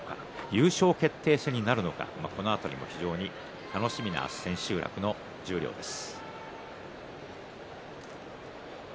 優勝決定戦になるのかこの辺りも非常に楽しみな千秋楽の十両です。